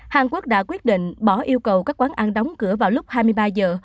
hàn quốc đã quyết định bỏ yêu cầu các quán ăn đóng cửa vào lúc hai mươi ba giờ